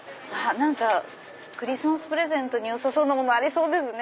何かクリスマスプレゼントによさそうなものありそうですね。